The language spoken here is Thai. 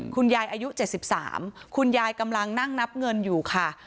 คุณยายอายุเจ็ดสิบสามคุณยายกำลังนั่งนับเงินอยู่ค่ะ